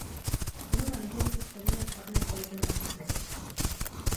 Oba manažeři se shodli na špatné kvalitě hrací plochy.